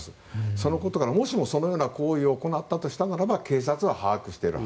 そのことからもしも、そのような行為を行ったとしたならば警察は把握している。